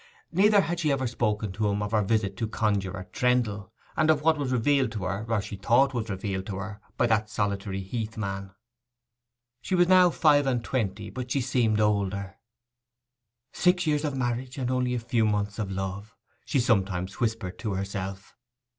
Neither had she ever spoken to him of her visit to Conjuror Trendle, and of what was revealed to her, or she thought was revealed to her, by that solitary heath man. She was now five and twenty; but she seemed older. 'Six years of marriage, and only a few months of love,' she sometimes whispered to herself.